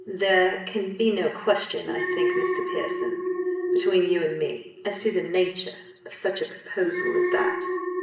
"There can be no question I think, Mr. Pearson between you and me as to the nature of such a proposal as that!"